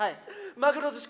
マグロ寿司。